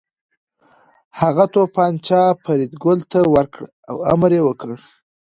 هغه توپانچه فریدګل ته ورکړه او امر یې وکړ